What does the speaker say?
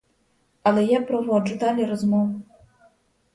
Але я проводжу далі розмову.